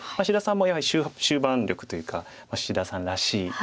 志田さんもやはり終盤力というか志田さんらしい。